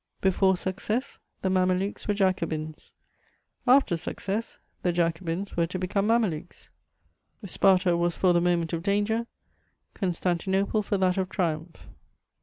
Before success, the mamelukes were Jacobins; after success, the Jacobins were to become mamelukes: Sparta was for the moment of danger, Constantinople for that of triumph.